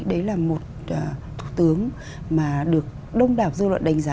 đấy là một thủ tướng mà được đông đảo dư luận đánh giá